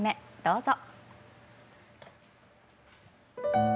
どうぞ。